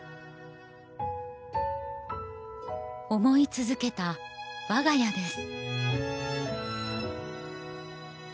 思い続けた我が家です